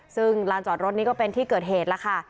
ซึ่งลานจอดรถนี้ก็เป็นที่เกิดเหตุแล้วค่ะ